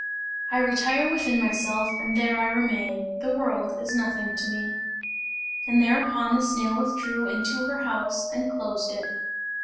I retire within myself, and there I remain. The world is nothing to me!" And thereupon the snail withdrew into her house and closed it.